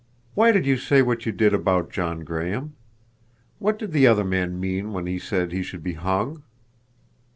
"Why did you say what you did about John Graham? What did the other man mean when he said he should be hung?"